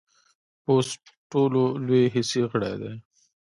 پوست ټولو لوی حسي غړی دی.